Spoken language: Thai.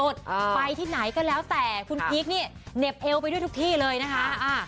ไปที่ไหนก็แล้วแต่คุณพีคนี่เหน็บเอวไปด้วยทุกที่เลยนะคะอ่า